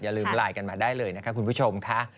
ลืมไลน์กันมาได้เลยนะคะคุณผู้ชมค่ะ